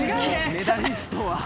メダリストは。